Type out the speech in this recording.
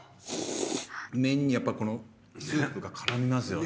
麺にこのスープが絡みますよ。